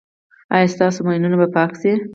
ایا ستاسو ماینونه به پاک شي؟